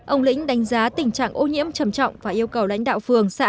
ông lĩnh đánh giá tình trạng ô nhiễm trầm trọng và yêu cầu lãnh đạo phường xã